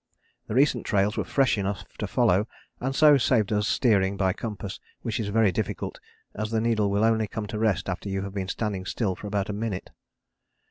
The recent trails were fresh enough to follow and so saved us steering by compass, which is very difficult as the needle will only come to rest after you have been standing still for about a minute.